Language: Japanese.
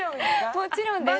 もちろんです。